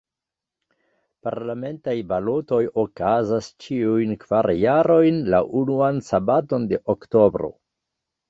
Parlamentaj balotoj okazas ĉiujn kvar jarojn, la unuan sabaton de oktobro.